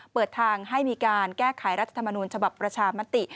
เปิดทางให้มีการแก้ไขรัฐธรรมนูญฉบับประชามติ